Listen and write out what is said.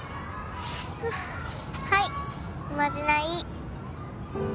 はいおまじない